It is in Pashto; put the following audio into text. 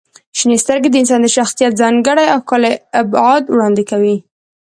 • شنې سترګې د انسان د شخصیت ځانګړی او ښکلی ابعاد وړاندې کوي.